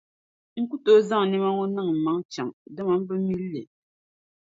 N ku tooi zaŋ nɛma ŋɔ niŋ mmaŋ’ chaŋ dama m bi mil’ li.